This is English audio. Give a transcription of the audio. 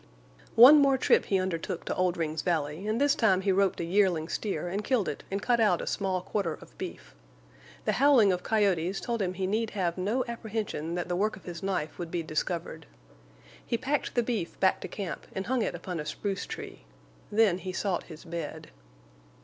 One more trip he undertook to Oldring's valley, and this time he roped a yearling steer and killed it and cut out a small quarter of beef. The howling of coyotes told him he need have no apprehension that the work of his knife would be discovered. He packed the beef back to camp and hung it upon a spruce tree. Then he sought his bed.